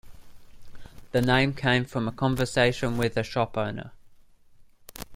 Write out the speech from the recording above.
The name came from a conversation with a shop owner.